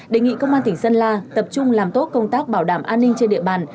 đề nghị công an tỉnh sơn la tập trung làm tốt công tác bảo đảm an ninh trên địa bàn